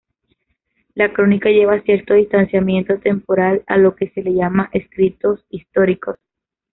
La crónica lleva cierto distanciamiento temporal a lo que se le llama escritos históricos.